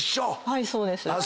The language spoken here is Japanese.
はいそうです。